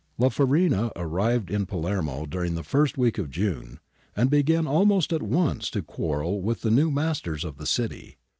* La Farina arrived in Palermo during the first week of June, and began almost at once to quarrel with the new masters of the city.